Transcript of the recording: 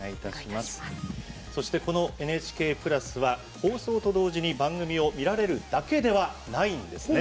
そして、ＮＨＫプラスは放送と同時に番組を見られるだけではないんですね。